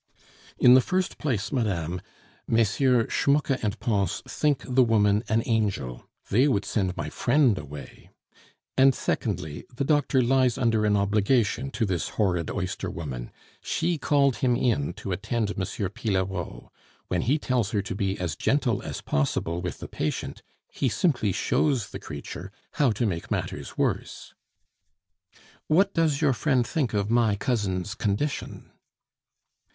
"In the first place, madame, Messrs. Schmucke and Pons think the woman an angel; they would send my friend away. And secondly, the doctor lies under an obligation to this horrid oyster woman; she called him in to attend M. Pillerault. When he tells her to be as gentle as possible with the patient, he simply shows the creature how to make matters worse." "What does your friend think of my cousin's condition?"